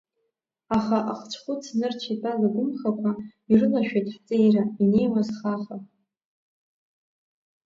Аха ахцәхәыц нырцә итәаз агәымхақәа, ирылашәеит ҳҵеира, инеиуаз хаха.